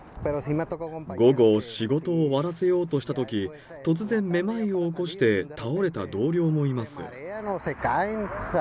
午後、仕事を終わらせようとしたとき、突然めまいを起こして倒れた同僚もいます。